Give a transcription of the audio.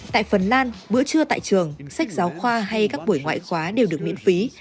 tại phần lan bữa trưa tại trường sách giáo khoa hay các buổi ngoại khóa đều được miễn phí